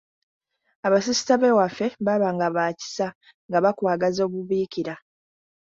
Abasisita b’ewaffe baabanga ba kisa nga bakwagaza obubiikira.